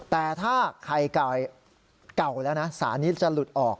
แต่ถ้าไข่เก่าแล้วนะสารนี้จะหลุดออก